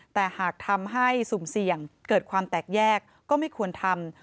แต่หากทำให้สุ่มเสี่ยงเกิดความแตกแยกก็ไม่ควรทำ